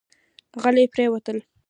غلي پرېوتل.